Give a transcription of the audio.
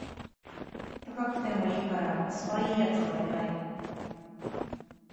高くてもいいからコスパ良いやつお願い